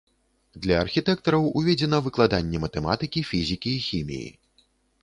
Для архітэктараў уведзена выкладанне матэматыкі, фізікі і хіміі.